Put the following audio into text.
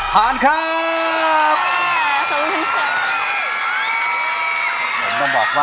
ผ่านครับ